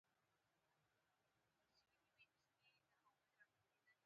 بايد د ريموټ تڼۍ کښېکاږو.